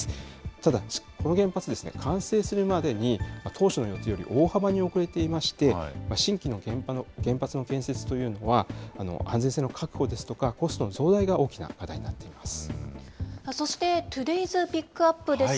ただ、この原発、完成するまでに当初の予定より大幅に遅れていまして、新規の原発の建設というのは、安全性の確保ですとか、コストの増大が大きなそして、トゥデイズ・ピックアップです。